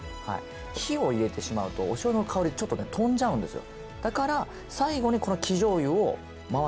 火を入れてしまうとお醤油の香りちょっとね飛んじゃうんですよ